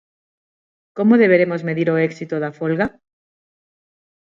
Como deberemos medir o éxito da folga?